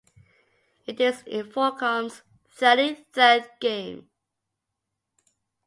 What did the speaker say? It is Infocom's thirty-third game.